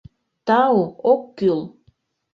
— Тау ок кӱл!